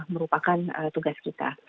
merupakan tugas kita